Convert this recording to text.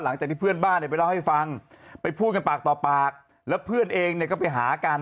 หลังจากที่เพื่อนบ้านเนี่ยไปเล่าให้ฟังไปพูดกันปากต่อปากแล้วเพื่อนเองเนี่ยก็ไปหากัน